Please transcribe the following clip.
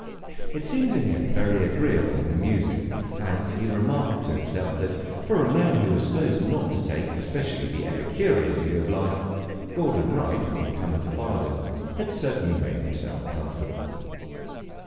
It seemed to him very agreeable and amusing, and he remarked to himself that, for a man who was supposed not to take especially the Epicurean view of life, Gordon Wright, in coming to Baden, had certainly made himself comfortable.